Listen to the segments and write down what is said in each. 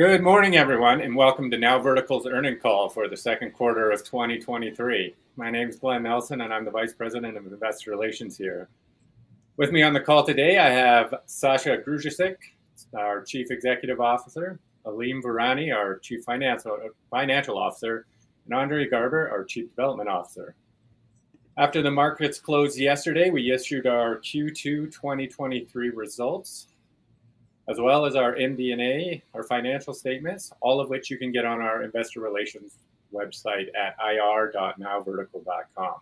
Good morning, everyone, and welcome to NowVertical's earnings call for the second quarter of 2023. My name is Glen Nelson, and I'm the Vice President of Investor Relations here. With me on the call today, I have Sasha Grujicic, our Chief Executive Officer, Alim Virani, our Chief Financial Officer, and Andre Garber, our Chief Development Officer. After the markets closed yesterday, we issued our Q2 2023 results, as well as our MD&A, our financial statements, all of which you can get on our investor relations website at ir.nowvertical.com.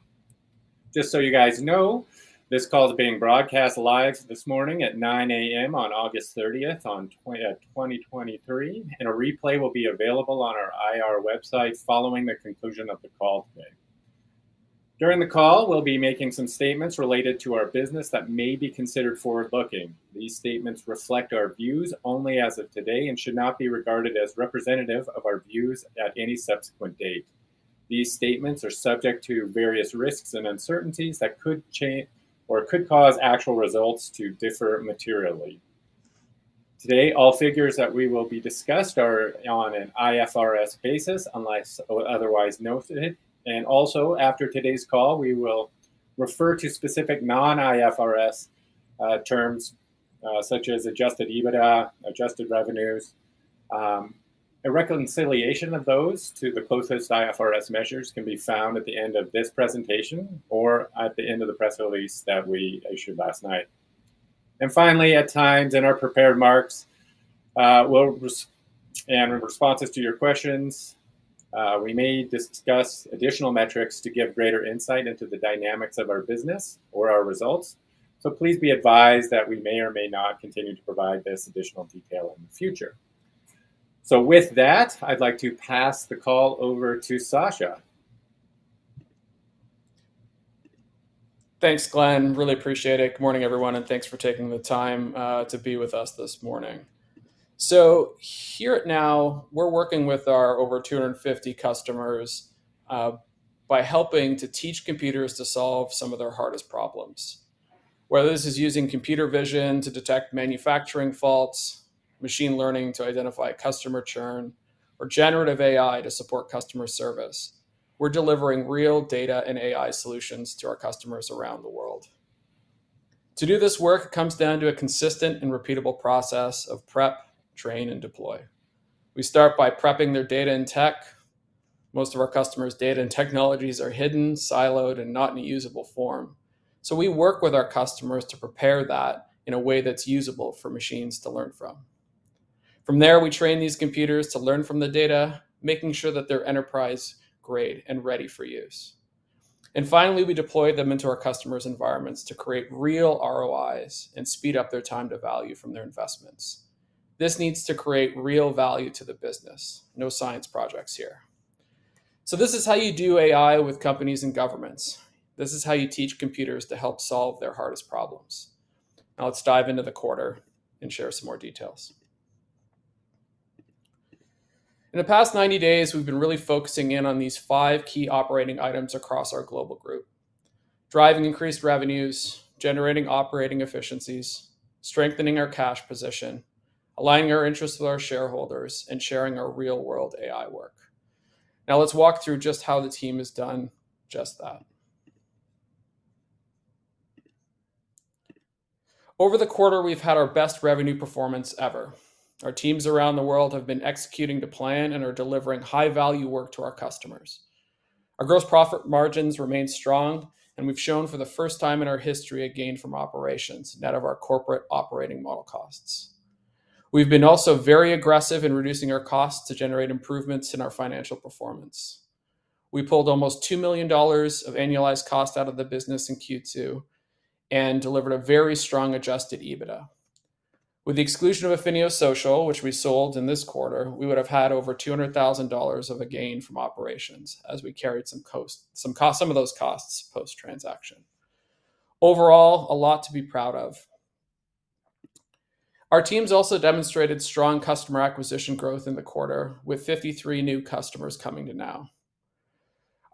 Just so you guys know, this call is being broadcast live this morning at 9 A.M. on August 30th, 2023, and a replay will be available on our IR website following the conclusion of the call today. During the call, we'll be making some statements related to our business that may be considered forward-looking. These statements reflect our views only as of today and should not be regarded as representative of our views at any subsequent date. These statements are subject to various risks and uncertainties that could change or could cause actual results to differ materially. Today, all figures that we will be discussed are on an IFRS basis, unless otherwise noted, and also, after today's call, we will refer to specific non-IFRS terms, such as Adjusted EBITDA, Adjusted revenues. A reconciliation of those to the closest IFRS measures can be found at the end of this presentation or at the end of the press release that we issued last night. And finally, at times in our prepared remarks and in responses to your questions, we may discuss additional metrics to give greater insight into the dynamics of our business or our results. So please be advised that we may or may not continue to provide this additional detail in the future. With that, I'd like to pass the call over to Sasha. Thanks, Glen. Really appreciate it. Good morning, everyone, and thanks for taking the time to be with us this morning. So here at Now, we're working with our over 250 customers by helping to teach computers to solve some of their hardest problems. Whether this is using computer vision to detect manufacturing faults, machine learning to identify customer churn, or generative AI to support customer service, we're delivering real data and AI solutions to our customers around the world. To do this work, it comes down to a consistent and repeatable process of prep, train, and deploy. We start by prepping their data and tech. Most of our customers' data and technologies are hidden, siloed, and not in a usable form. So we work with our customers to prepare that in a way that's usable for machines to learn from. From there, we train these computers to learn from the data, making sure that they're enterprise-grade and ready for use. Finally, we deploy them into our customers' environments to create real ROIs and speed up their time to value from their investments. This needs to create real value to the business, no science projects here. This is how you do AI with companies and governments. This is how you teach computers to help solve their hardest problems. Now, let's dive into the quarter and share some more details. In the past 90 days, we've been really focusing in on these 5 key operating items across our global group: driving increased revenues, generating operating efficiencies, strengthening our cash position, aligning our interests with our shareholders, and sharing our real-world AI work. Now, let's walk through just how the team has done just that. Over the quarter, we've had our best revenue performance ever. Our teams around the world have been executing the plan and are delivering high-value work to our customers. Our gross profit margins remain strong, and we've shown for the first time in our history, a gain from operations, net of our corporate operating model costs. We've been also very aggressive in reducing our costs to generate improvements in our financial performance. We pulled almost $2 million of annualized cost out of the business in Q2 and delivered a very strong Adjusted EBITDA. With the exclusion of Affinio Social, which we sold in this quarter, we would have had over $200,000 of a gain from operations, as we carried some of those costs post-transaction. Overall, a lot to be proud of. Our teams also demonstrated strong customer acquisition growth in the quarter, with 53 new customers coming to Now.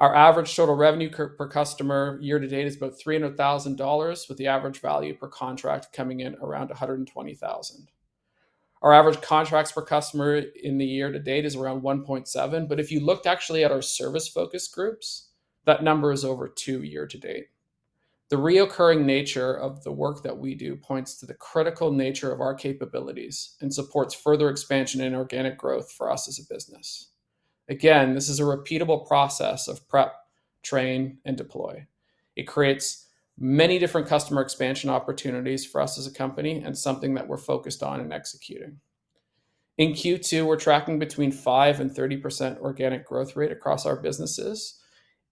Our average total revenue per customer year to date is about $300,000, with the average value per contract coming in around $120,000. Our average contracts per customer in the year to date is around 1.7, but if you looked actually at our service-focused groups, that number is over two year to date. The recurring nature of the work that we do points to the critical nature of our capabilities and supports further expansion and organic growth for us as a business. Again, this is a repeatable process of prep, train, and deploy. It creates many different customer expansion opportunities for us as a company and something that we're focused on in executing. In Q2, we're tracking between 5% and 30% organic growth rate across our businesses,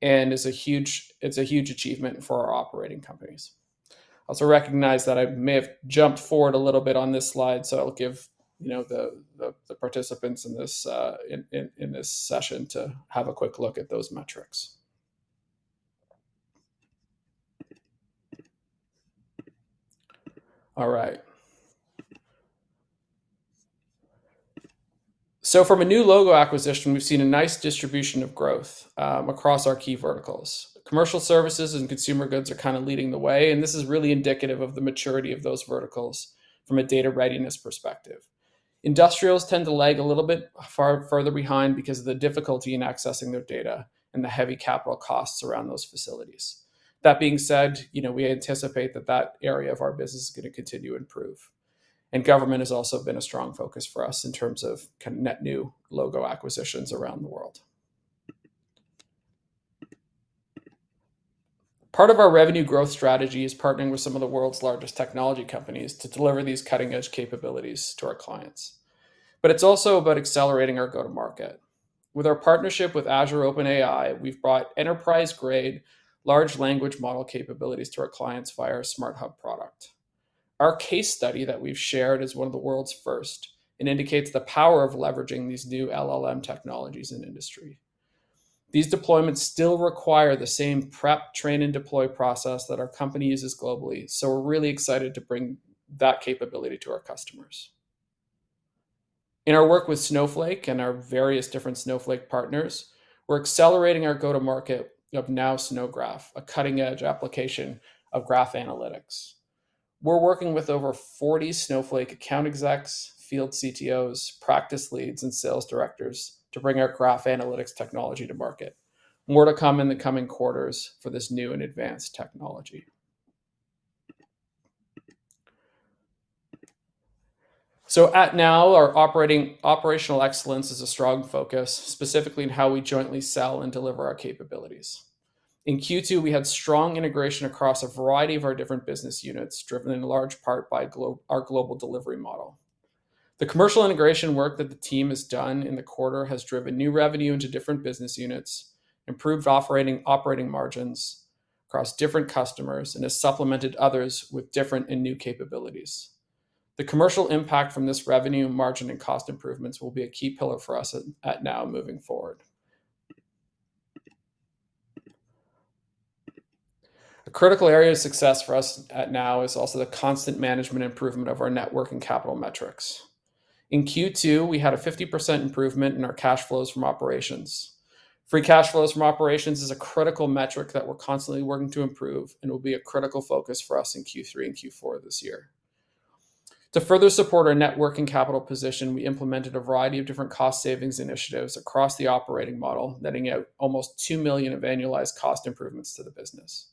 and it's a huge, it's a huge achievement for our operating companies. I also recognize that I may have jumped forward a little bit on this slide, so I'll give you know the participants in this session to have a quick look at those metrics. All right. So from a new logo acquisition, we've seen a nice distribution of growth across our key verticals. Commercial Services and Consumer Goods are kind of leading the way, and this is really indicative of the maturity of those verticals from a data-readiness perspective. Industrials tend to lag a little bit far, further behind because of the difficulty in accessing their data and the heavy capital costs around those facilities. That being said, you know, we anticipate that that area of our business is gonna continue to improve. Government has also been a strong focus for us in terms of kind of net new logo acquisitions around the world. Part of our revenue growth strategy is partnering with some of the world's largest technology companies to deliver these cutting-edge capabilities to our clients. It's also about accelerating our go-to-market. With our partnership with Azure OpenAI, we've brought enterprise-grade, large language model capabilities to our clients via our SmartHub product. Our case study that we've shared is one of the world's first, and indicates the power of leveraging these new LLM technologies in industry. These deployments still require the same prep, train, and deploy process that our company uses globally, so we're really excited to bring that capability to our customers. In our work with Snowflake and our various different Snowflake partners, we're accelerating our go-to-market of NOW SnowGraph, a cutting-edge application of Graph Analytics. We're working with over 40 Snowflake account execs, field CTOs, practice leads, and sales directors to bring our Graph Analytics technology to market. More to come in the coming quarters for this new and advanced technology. So at Now, our operational excellence is a strong focus, specifically in how we jointly sell and deliver our capabilities. In Q2, we had strong integration across a variety of our different business units, driven in large part by our Global Delivery Model. The commercial integration work that the team has done in the quarter has driven new revenue into different business units, improved operating margins across different customers, and has supplemented others with different and new capabilities. The commercial impact from this revenue, margin, and cost improvements will be a key pillar for us at NOW moving forward. A critical area of success for us at NOW is also the constant management improvement of our Net Working Capital metrics. In Q2, we had a 50% improvement in our cash flows from operations. Free cash flows from operations is a critical metric that we're constantly working to improve, and will be a critical focus for us in Q3 and Q4 this year. To further support our Net Working Capital position, we implemented a variety of different cost savings initiatives across the operating model, netting out almost $2 million of annualized cost improvements to the business.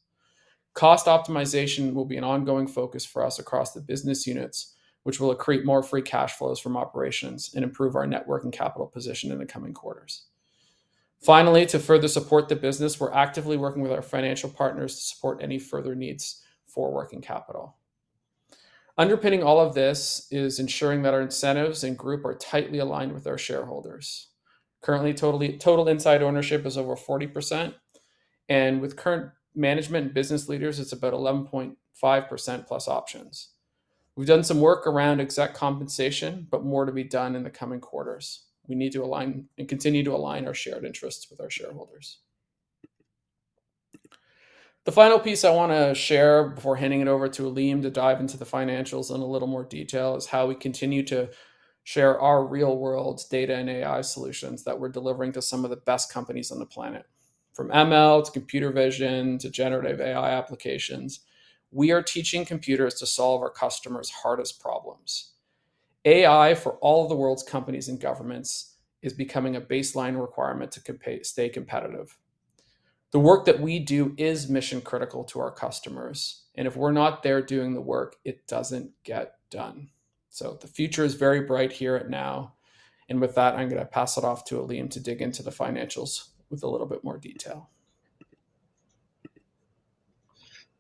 Cost optimization will be an ongoing focus for us across the business units, which will accrete more free cash flows from operations and improve our net working capital position in the coming quarters. Finally, to further support the business, we're actively working with our financial partners to support any further needs for working capital. Underpinning all of this is ensuring that our incentives and group are tightly aligned with our shareholders. Currently, total inside ownership is over 40%, and with current management and business leaders, it's about 11.5% plus options. We've done some work around exec compensation, but more to be done in the coming quarters. We need to align and continue to align our shared interests with our shareholders. The final piece I want to share before handing it over to Alim to dive into the financials in a little more detail, is how we continue to share our real-world data and AI solutions that we're delivering to some of the best companies on the planet. From ML, to computer vision, to generative AI applications, we are teaching computers to solve our customers' hardest problems. AI, for all of the world's companies and governments, is becoming a baseline requirement to stay competitive. The work that we do is mission-critical to our customers, and if we're not there doing the work, it doesn't get done. So the future is very bright here at NOW, and with that, I'm gonna pass it off to Alim to dig into the financials with a little bit more detail.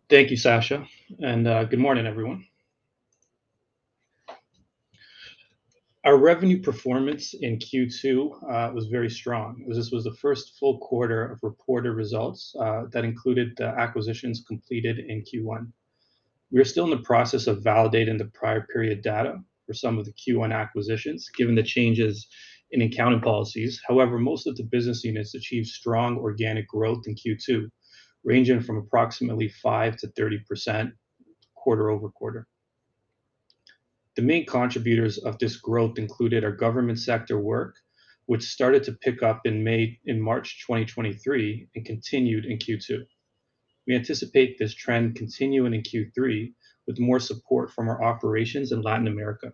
Thank you, Sasha, and good morning, everyone. Our revenue performance in Q2 was very strong. This was the first full quarter of reported results that included the acquisitions completed in Q1. We are still in the process of validating the prior period data for some of the Q1 acquisitions, given the changes in accounting policies. However, most of the business units achieved strong organic growth in Q2, ranging from approximately 5%-30% quarter-over-quarter. The main contributors of this growth included our government sector work, which started to pick up in March 2023 and continued in Q2. We anticipate this trend continuing in Q3, with more support from our operations in Latin America.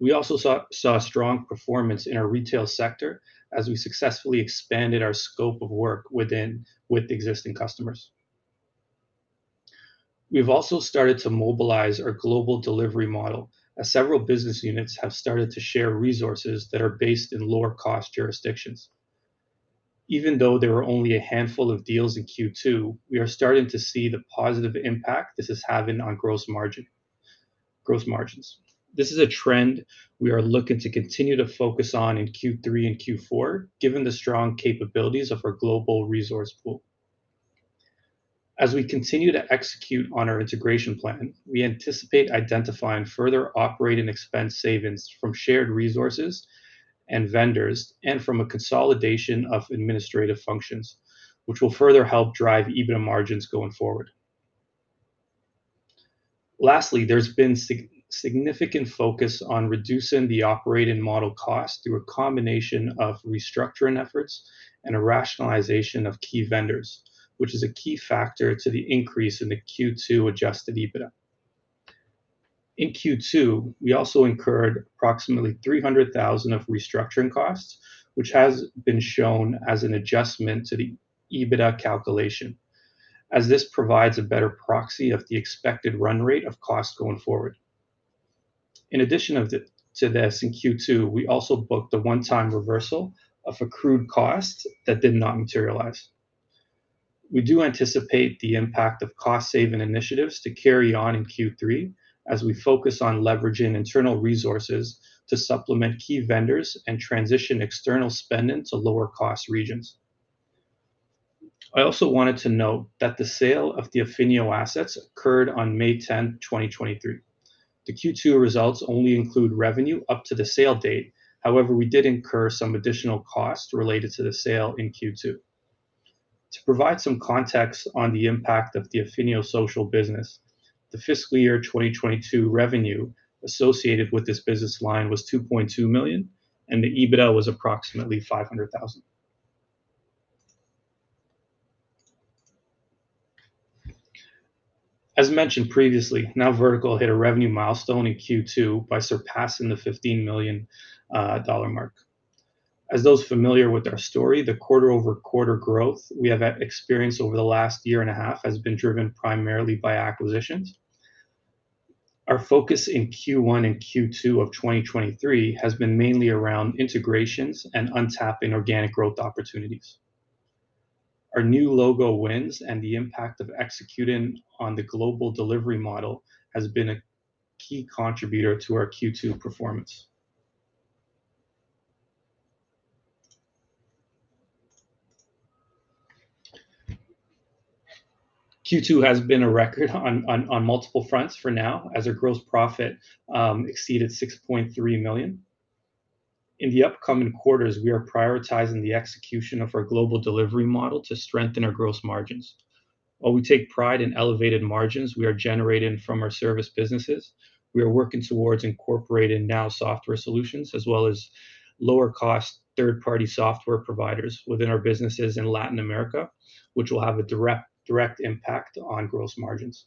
We also saw strong performance in our retail sector as we successfully expanded our scope of work with existing customers. We've also started to mobilize our global delivery model, as several business units have started to share resources that are based in lower-cost jurisdictions. Even though there were only a handful of deals in Q2, we are starting to see the positive impact this is having on gross margin - gross margins. This is a trend we are looking to continue to focus on in Q3 and Q4, given the strong capabilities of our global resource pool. As we continue to execute on our integration plan, we anticipate identifying further operating expense savings from shared resources and vendors, and from a consolidation of administrative functions, which will further help drive EBITDA margins going forward. Lastly, there's been significant focus on reducing the operating model cost through a combination of restructuring efforts and a rationalization of key vendors, which is a key factor to the increase in the Q2 Adjusted EBITDA. In Q2, we also incurred approximately $300,000 of restructuring costs, which has been shown as an adjustment to the EBITDA calculation, as this provides a better proxy of the expected run rate of costs going forward. In addition to this, in Q2, we also booked a one-time reversal of accrued costs that did not materialize. We do anticipate the impact of cost-saving initiatives to carry on in Q3 as we focus on leveraging internal resources to supplement key vendors and transition external spending to lower cost regions. I also wanted to note that the sale of the Affinio assets occurred on May tenth, 2023. The Q2 results only include revenue up to the sale date. However, we did incur some additional costs related to the sale in Q2. To provide some context on the impact of the Affinio social business, the fiscal year 2022 revenue associated with this business line was $2.2 million, and the EBITDA was approximately $500,000. As mentioned previously, NowVertical hit a revenue milestone in Q2 by surpassing the $15 million dollar mark. As those familiar with our story, the quarter-over-quarter growth we have experienced over the last year and a half has been driven primarily by acquisitions. Our focus in Q1 and Q2 of 2023 has been mainly around integrations and untapping organic growth opportunities. Our new logo wins and the impact of executing on the global delivery model has been a key contributor to our Q2 performance. Q2 has been a record on multiple fronts for NowVertical, as our gross profit exceeded $6.3 million. In the upcoming quarters, we are prioritizing the execution of our Global Delivery Model to strengthen our gross margins. While we take pride in elevated margins we are generating from our service businesses, we are working towards incorporating Now software solutions, as well as lower-cost third-party software providers within our businesses in Latin America, which will have a direct impact on gross margins.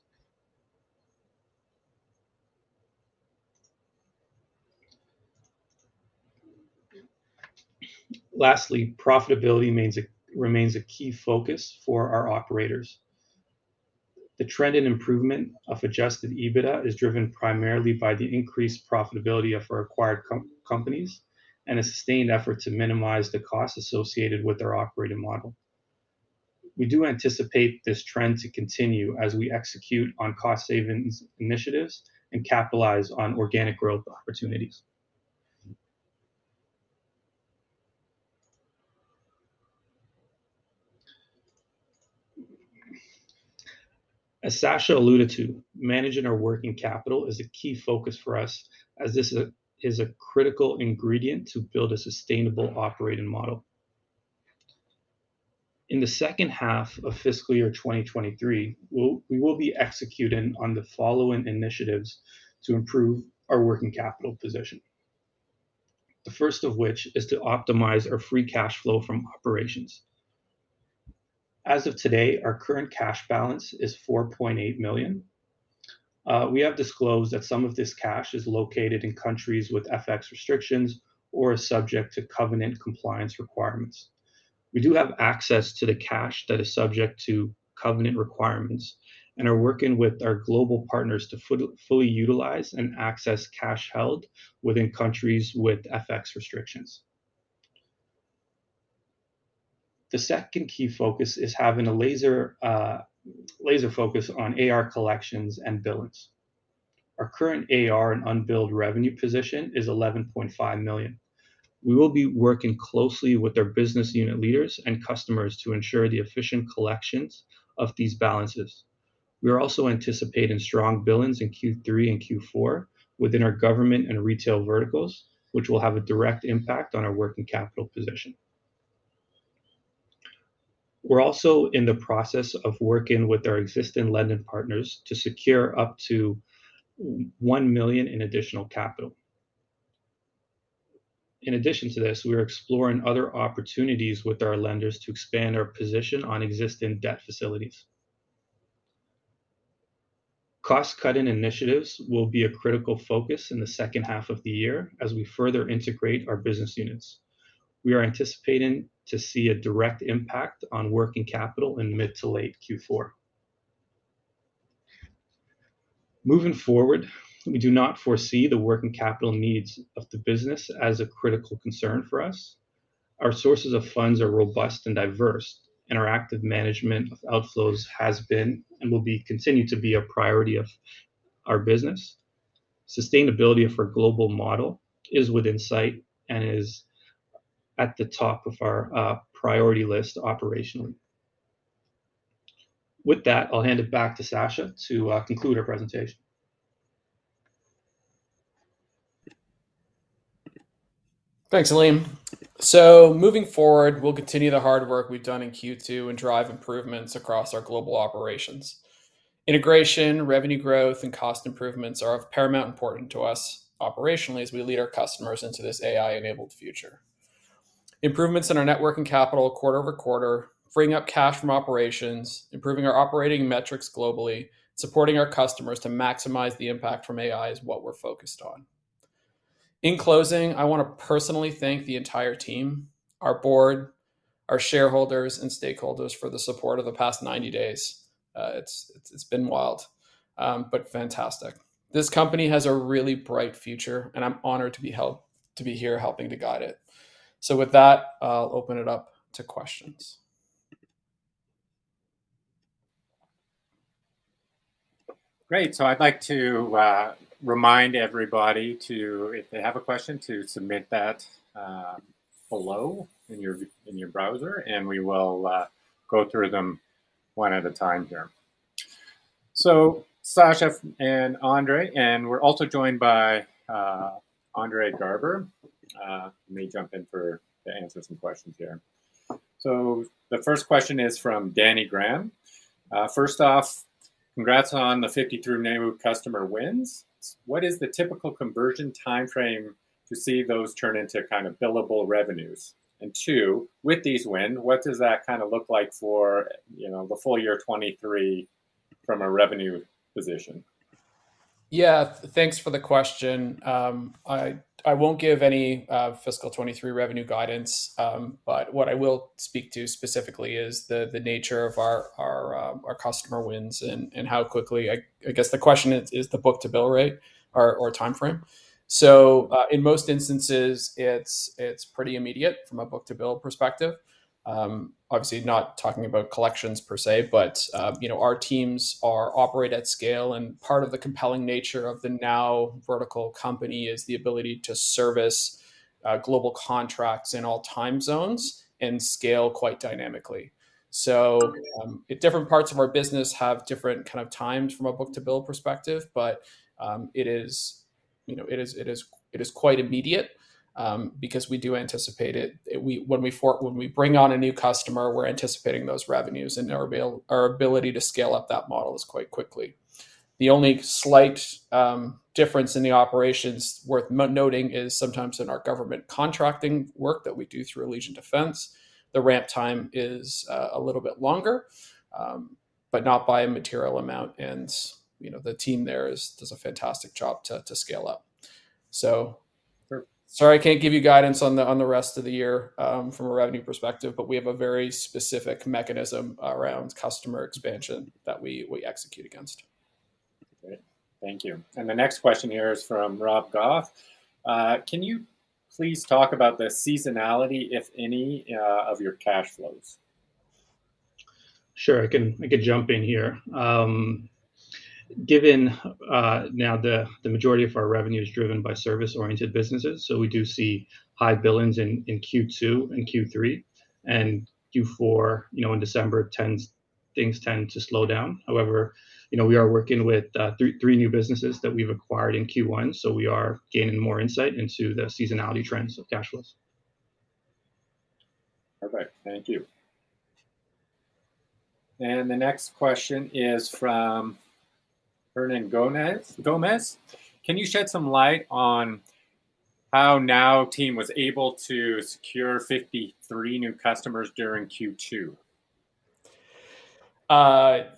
Lastly, profitability remains a key focus for our operators. The trend in improvement of Adjusted EBITDA is driven primarily by the increased profitability of our acquired companies, and a sustained effort to minimize the costs associated with our operating model. We do anticipate this trend to continue as we execute on cost savings initiatives and capitalize on organic growth opportunities. As Sasha alluded to, managing our working capital is a key focus for us as this is a critical ingredient to build a sustainable operating model. In the second half of fiscal year 2023, we will be executing on the following initiatives to improve our working capital position. The first of which is to optimize our free cash flow from operations. As of today, our current cash balance is $4.8 million. We have disclosed that some of this cash is located in countries with FX restrictions or are subject to covenant compliance requirements. We do have access to the cash that is subject to covenant requirements and are working with our global partners to fully utilize and access cash held within countries with FX restrictions. The second key focus is having a laser focus on AR collections and billings. Our current AR and unbilled revenue position is $11.5 million. We will be working closely with our business unit leaders and customers to ensure the efficient collections of these balances. We are also anticipating strong billings in Q3 and Q4 within our government and retail verticals, which will have a direct impact on our working capital position. We're also in the process of working with our existing lending partners to secure up to $1 million in additional capital. In addition to this, we are exploring other opportunities with our lenders to expand our position on existing debt facilities. Cost-cutting initiatives will be a critical focus in the second half of the year as we further integrate our business units. We are anticipating to see a direct impact on working capital in mid to late Q4. Moving forward, we do not foresee the working capital needs of the business as a critical concern for us. Our sources of funds are robust and diverse, and our active management of outflows has been and will be continued to be a priority of our business. Sustainability of our global model is within sight and is at the top of our priority list operationally. With that, I'll hand it back to Sasha to conclude our presentation. Thanks, Alim. Moving forward, we'll continue the hard work we've done in Q2 and drive improvements across our global operations. Integration, revenue growth, and cost improvements are of paramount importance to us operationally, as we lead our customers into this AI-enabled future. Improvements in our net working capital quarter over quarter, freeing up cash from operations, improving our operating metrics globally, supporting our customers to maximize the impact from AI is what we're focused on. In closing, I wanna personally thank the entire team, our board, our shareholders, and stakeholders for the support over the past 90 days. It's been wild, but fantastic. This company has a really bright future, and I'm honored to be here helping to guide it. With that, I'll open it up to questions. Great, so I'd like to remind everybody to, if they have a question, to submit that below in your browser, and we will go through them one at a time here. So Sasha and Andre, and we're also joined by Andre Garber. Let me jump in to answer some questions here. So the first question is from Danny Graham. "First off, congrats on the 53 new customer wins. What is the typical conversion timeframe to see those turn into kind of billable revenues? And two, with these win, what does that kinda look like for, you know, the full year 2023 from a revenue position? Yeah, thanks for the question. I won't give any fiscal 2023 revenue guidance, but what I will speak to specifically is the nature of our customer wins and how quickly... I guess the question is the book-to-bill rate or timeframe. So, in most instances, it's pretty immediate from a book-to-bill perspective. Obviously, not talking about collections per se, but you know, our teams operate at scale, and part of the compelling nature of the NowVertical company is the ability to service global contracts in all time zones and scale quite dynamically. So, different parts of our business have different kind of times from a book-to-bill perspective, but it is, you know, quite immediate because we do anticipate it. When we bring on a new customer, we're anticipating those revenues, and our ability to scale up that model is quite quickly. The only slight difference in the operations worth noting is sometimes in our government contracting work that we do through Allegient Defense, the ramp time is a little bit longer, but not by a material amount. And, you know, the team there does a fantastic job to scale up. So sorry, I can't give you guidance on the rest of the year from a revenue perspective, but we have a very specific mechanism around customer expansion that we execute against. Great. Thank you. The next question here is from Rob Goff. "Can you please talk about the seasonality, if any, of your cash flows? Sure, I can jump in here. Given now the majority of our revenue is driven by service-oriented businesses, so we do see high billings in Q2 and Q3. And Q4, you know, in December, things tend to slow down. However, you know, we are working with three new businesses that we've acquired in Q1, so we are gaining more insight into the seasonality trends of cash flows. Perfect. Thank you. And the next question is from Hernan Gomez: "Gomez, can you shed some light on how Now team was able to secure 53 new customers during Q2?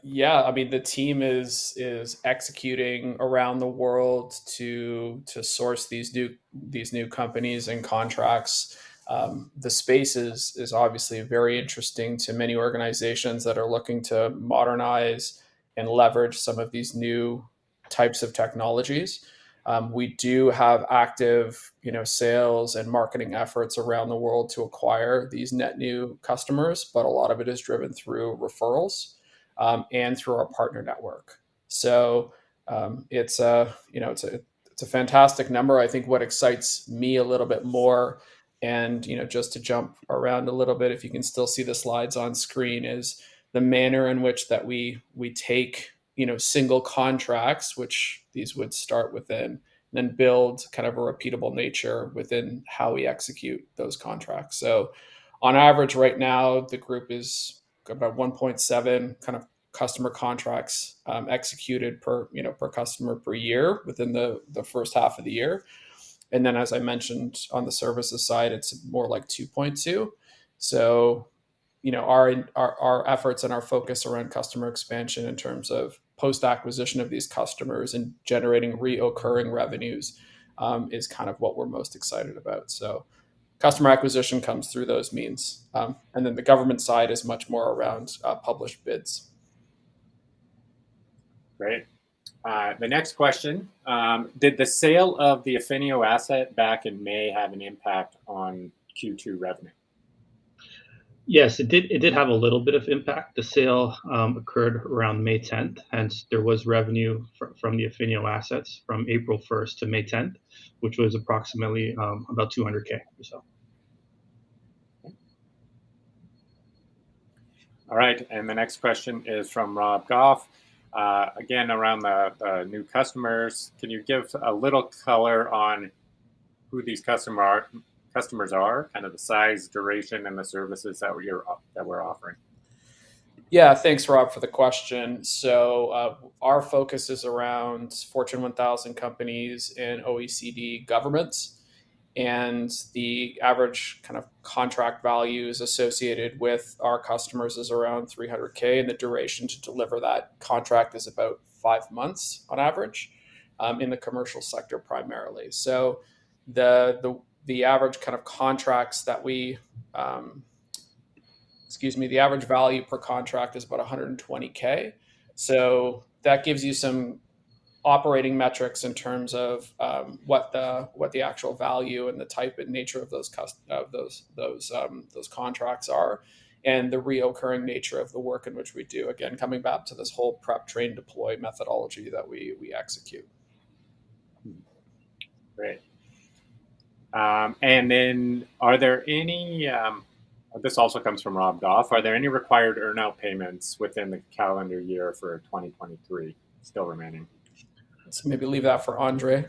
Yeah, I mean, the team is executing around the world to source these new companies and contracts. The space is obviously very interesting to many organizations that are looking to modernize and leverage some of these new types of technologies. We do have active, you know, sales and marketing efforts around the world to acquire these net new customers, but a lot of it is driven through referrals, and through our partner network. So, it's a, you know, fantastic number. I think what excites me a little bit more, and, you know, just to jump around a little bit, if you can still see the slides on screen, is the manner in which that we take, you know, single contracts, which these would start within, and then build kind of a repeatable nature within how we execute those contracts. So on average, right now, the group is about 1.7 kind of customer contracts executed per, you know, per customer per year within the first half of the year. And then, as I mentioned, on the services side, it's more like 2.2. So, you know, our efforts and our focus around customer expansion in terms of post-acquisition of these customers and generating recurring revenues is kind of what we're most excited about. So customer acquisition comes through those means. And then the government side is much more around published bids. Great. The next question: "Did the sale of the Affinio asset back in May have an impact on Q2 revenue? Yes, it did. It did have a little bit of impact. The sale occurred around May 10th, and there was revenue from the Affinio assets from April 1st to May 10th, which was approximately about $200,000 or so. All right, and the next question is from Rob Goff. Again, around the new customers, can you give a little color on who these customers are? Kind of the size, duration, and the services that we're offering. Yeah. Thanks, Rob, for the question. So, our focus is around Fortune 1000 companies and OECD governments, and the average kind of contract values associated with our customers is around $300K, and the duration to deliver that contract is about five months on average, in the commercial sector, primarily. So the average kind of contracts that we... excuse me. The average value per contract is about $120K. So that gives you some operating metrics in terms of, what the actual value and the type and nature of those of those contracts are, and the recurring nature of the work in which we do. Again, coming back to this whole prep, train, deploy methodology that we execute. Great. And then are there any... This also comes from Rob Goff. Are there any required earn-out payments within the calendar year for 2023 still remaining? Maybe leave that for Andre.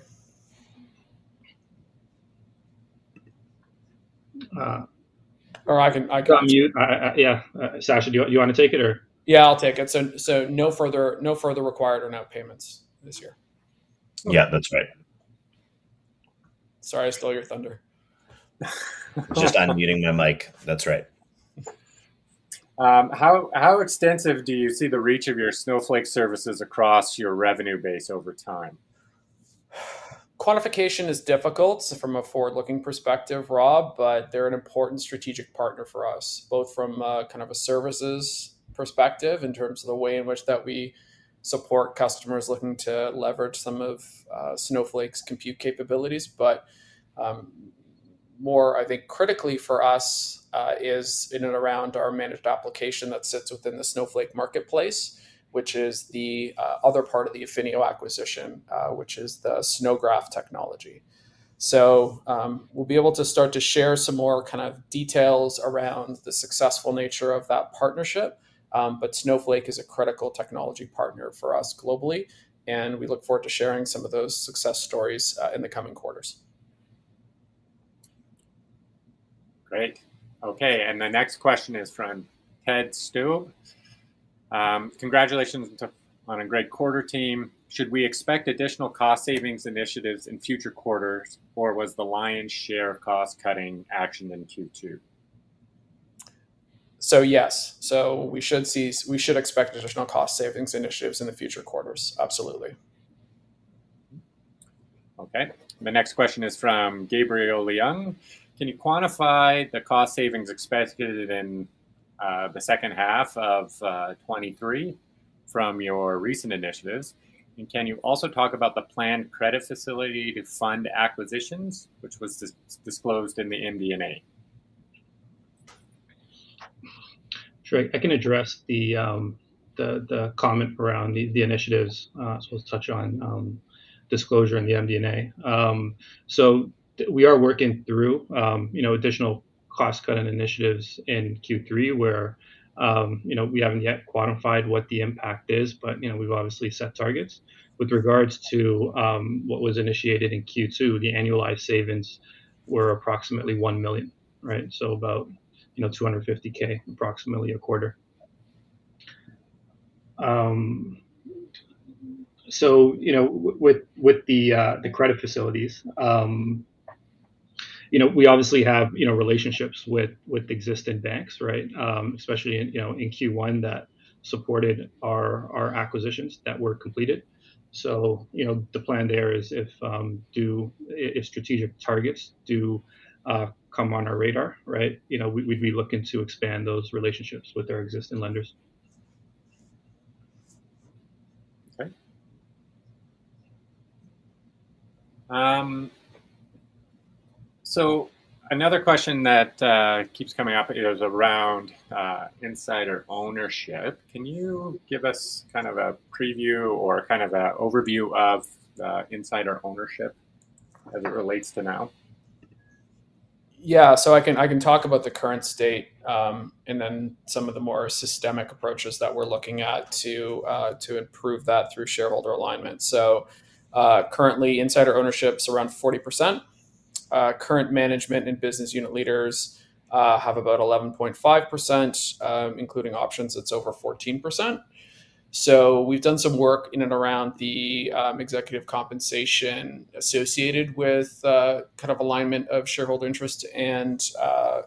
Or I can, I can- On mute. Yeah, Sasha, do you wanna take it or? Yeah, I'll take it. So, no further required earn-out payments this year. Yeah, that's right. Sorry, I stole your thunder. Just unmuting the mic. That's right. How extensive do you see the reach of your Snowflake services across your revenue base over time? Quantification is difficult from a forward-looking perspective, Rob, but they're an important strategic partner for us, both from a kind of a services perspective in terms of the way in which that we support customers looking to leverage some of Snowflake's compute capabilities. But more, I think, critically for us is in and around our managed application that sits within the Snowflake marketplace, which is the other part of the Affinio acquisition, which is the SnowGraph technology. So we'll be able to start to share some more kind of details around the successful nature of that partnership. But Snowflake is a critical technology partner for us globally, and we look forward to sharing some of those success stories in the coming quarters. Great. Okay, and the next question is from Tetsu Mikanagi. Congratulations on a great quarter, team. Should we expect additional cost savings initiatives in future quarters, or was the lion's share cost-cutting action in Q2? Yes, we should expect additional cost savings initiatives in the future quarters. Absolutely. Okay. The next question is from Gabriel Leung. Can you quantify the cost savings expected in the second half of 2023 from your recent initiatives? And can you also talk about the planned credit facility to fund acquisitions, which was disclosed in the MD&A? Sure. I can address the comment around the initiatives as well as touch on disclosure in the MD&A. So we are working through, you know, additional cost-cutting initiatives in Q3, where, you know, we haven't yet quantified what the impact is, but, you know, we've obviously set targets. With regards to what was initiated in Q2, the annualized savings were approximately $1 million, right? So about, you know, $250K, approximately a quarter. So, you know, with the credit facilities, you know, we obviously have, you know, relationships with existing banks, right? Especially in Q1 that supported our acquisitions that were completed. So, you know, the plan there is if strategic targets do come on our radar, right? You know, we'd be looking to expand those relationships with our existing lenders. Okay. So another question that keeps coming up is around insider ownership. Can you give us kind of a preview or kind of a overview of insider ownership as it relates to Now? Yeah. So I can, I can talk about the current state, and then some of the more systemic approaches that we're looking at to, to improve that through shareholder alignment. So, currently, insider ownership's around 40%. Current management and business unit leaders have about 11.5%, including options, it's over 14%. So we've done some work in and around the, executive compensation associated with, kind of alignment of shareholder interest and,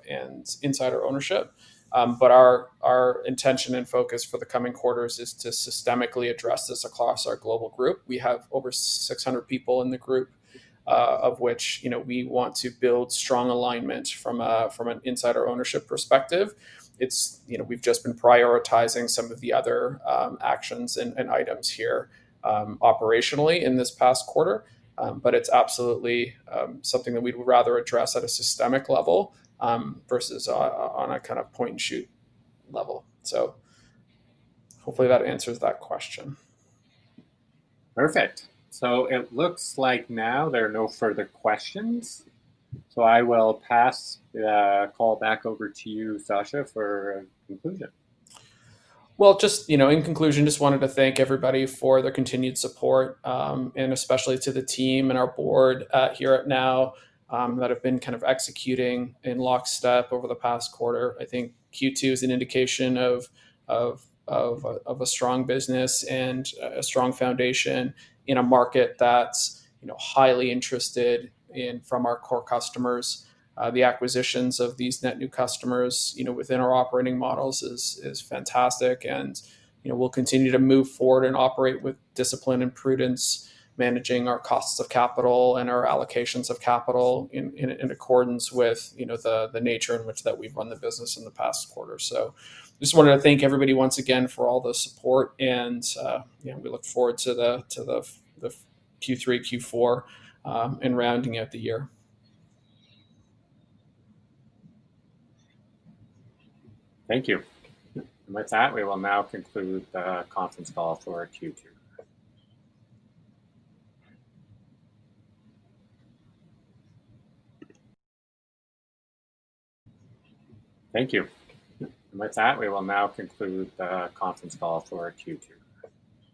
and insider ownership. But our, our intention and focus for the coming quarters is to systemically address this across our global group. We have over 600 people in the group, of which, you know, we want to build strong alignment from a, from an insider ownership perspective. It's.. you know, we've just been prioritizing some of the other, actions and items here, operationally in this past quarter. But it's absolutely, something that we'd rather address at a systemic level, versus on a kind of point-and-shoot level. So hopefully that answers that question. Perfect. So it looks like now there are no further questions, so I will pass the call back over to you, Sasha, for conclusion. Well, just, you know, in conclusion, just wanted to thank everybody for their continued support, and especially to the team and our board here at Now that have been kind of executing in lockstep over the past quarter. I think Q2 is an indication of a strong business and a strong foundation in a market that's, you know, highly interested in from our core customers. The acquisitions of these net new customers, you know, within our operating models is fantastic, and, you know, we'll continue to move forward and operate with discipline and prudence, managing our costs of capital and our allocations of capital in accordance with, you know, the nature in which that we've run the business in the past quarter. Just wanted to thank everybody once again for all the support and, you know, we look forward to the Q3, Q4, and rounding out the year. Thank you. With that, we will now conclude the conference call for Q2. Thank you. With that, we will now conclude the conference call for Q2.